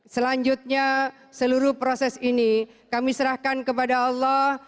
selanjutnya seluruh proses ini kami serahkan kepada allah